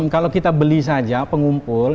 kalau kita beli saja pengumpul